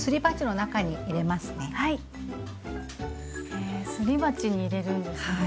へえすり鉢に入れるんですね。